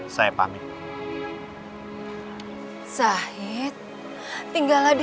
saya mau pergi rumah saya lagi